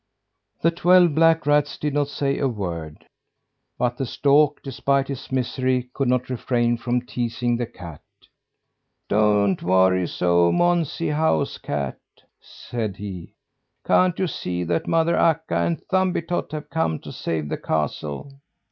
The twelve black rats did not say a word. But the stork, despite his misery, could not refrain from teasing the cat. "Don't worry so, Monsie house cat!" said he. "Can't you see that mother Akka and Thumbietot have come to save the castle?